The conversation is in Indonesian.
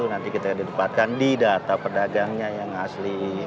nanti kita akan didapatkan di data perdagangnya yang asli